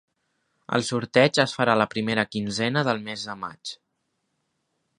El sorteig es farà la primera quinzena del mes de maig.